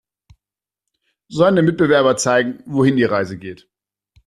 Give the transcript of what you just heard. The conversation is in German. Seine Mitbewerber zeigen, wohin die Reise geht.